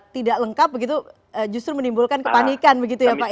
tidak lengkap begitu justru menimbulkan kepanikan begitu ya pak